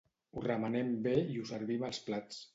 Ho remenem bé i ho servim als plats.